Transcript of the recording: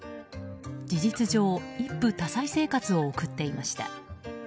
事実上一夫多妻生活を送っていました。